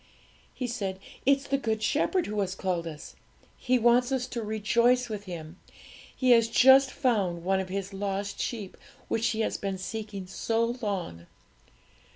'He said, "It's the Good Shepherd who has called us; He wants us to rejoice with Him; He has just found one of the lost sheep, which He has been seeking so long.